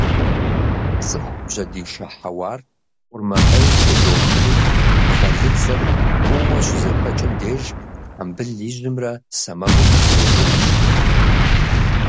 Цӏыхум жьэдишэ хьэуар къурмакъеймкӏэ йохри, бгъэлыцӏыр тӏууэ щызэхэкӏым деж тхьэмбыл ижьымрэ сэмэгумрэ зреугуашэ.